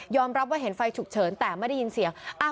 รับว่าเห็นไฟฉุกเฉินแต่ไม่ได้ยินเสียง